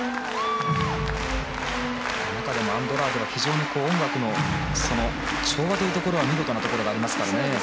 中でもアンドラーデは非常に音楽の調和というところに見事なところがありますからね。